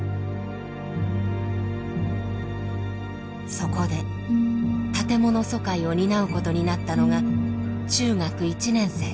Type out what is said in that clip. そこで建物疎開を担うことになったのが中学１年生。